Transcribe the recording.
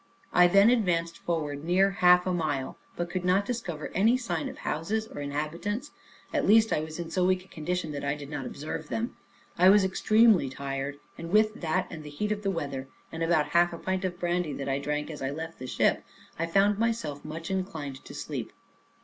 I then advanced forward near half a mile, but could not discover any sign of houses or inhabitants; at least I was in so weak a condition that I did not observe them. I was extremely tired, and with that, and the heat of the weather, and about half a pint of brandy that I drank as I left the ship, I found myself much inclined to sleep.